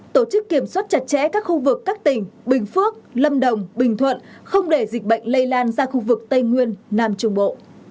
tổ chức kiểm soát chặt chẽ các khu vực các tỉnh bình phước lâm đồng bình thuận không để dịch bệnh lây lan ra khu vực tây nguyên nam trung bộ